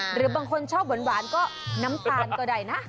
หรือบางคนชอบหวานก็น้ำตาลก็ได้นะ